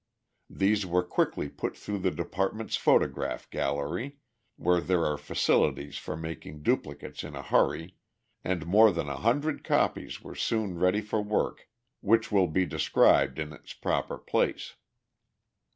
These were quickly put through the department's photograph gallery, where there are facilities for making duplicates in a hurry, and more than a hundred copies were soon ready for work which will be described in its proper place.